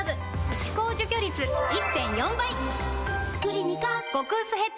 歯垢除去率 １．４ 倍！